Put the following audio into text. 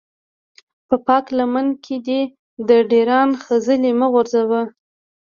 په پاکه لمن کې دې د ډېران خځلې مه غورځوه.